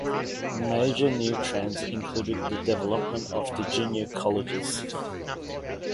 Major new trends included the development of the junior colleges.